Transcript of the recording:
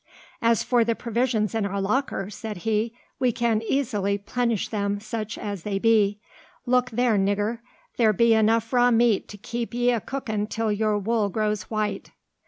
"As for the provisions in our locker," said he, "we can easily 'plenish them, such as they be. Look there, nigger. There be enough raw meat to keep ye a' cookin' till your wool grows white."